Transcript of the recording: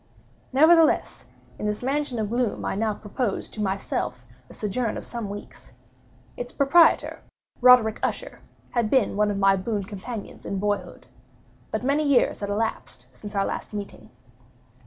Nevertheless, in this mansion of gloom I now proposed to myself a sojourn of some weeks. Its proprietor, Roderick Usher, had been one of my boon companions in boyhood; but many years had elapsed since our last meeting.